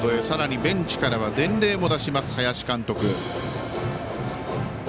さらにベンチからは伝令も出します、林監督。